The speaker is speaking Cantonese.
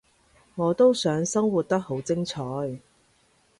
我都想生活得好精彩